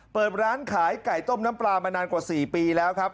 เปิดร้านขายไก่ต้มน้ำปลามานานกว่า๔ปีแล้วครับ